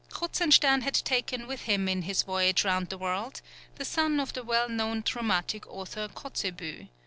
Kruzenstern had taken with him in his voyage round the world the son of the well known dramatic author Kotzebue.